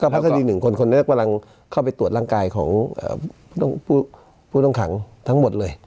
พักคดีหนึ่งคนคนนี้กำลังเข้าไปตรวจร่างกายของผู้ต้องขังทั้งหมดเลย